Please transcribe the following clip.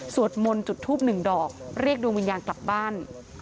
สวดมนต์จุดทูป๑ดอกเรียกดวงวิญญาณกลับบ้าน